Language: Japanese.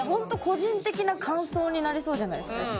個人的な感想になりそうじゃないですか。